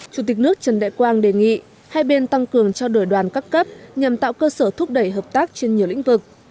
chủ tịch nước trần đại quang đề nghị hai bên tăng cường trao đổi đoàn các cấp nhằm tạo cơ sở thúc đẩy hợp tác trên nhiều lĩnh vực